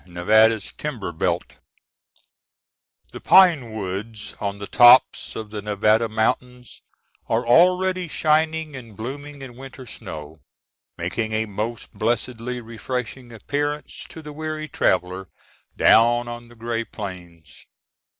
Nevada's Timber Belt The pine woods on the tops of the Nevada mountains are already shining and blooming in winter snow, making a most blessedly refreshing appearance to the weary traveler down on the gray plains.